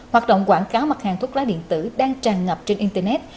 hoạt động quảng cáo mặt hàng thuốc lá điện tử đang tràn ngập trên internet